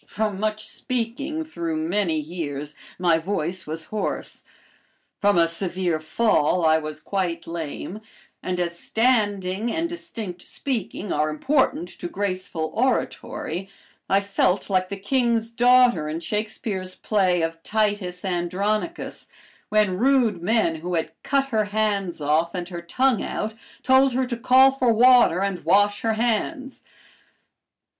From much speaking through many years my voice was hoarse, from a severe fall I was quite lame, and as standing, and distinct speaking are important to graceful oratory, I felt like the king's daughter in Shakespeare's play of "Titus Andronicus," when rude men who had cut her hands off and her tongue out, told her to call for water and wash her hands.